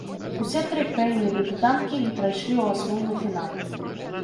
Усе тры краіны-дэбютанткі не прайшлі ў асноўны фінал.